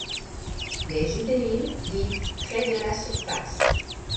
Les juvéniles vivent près de la surface.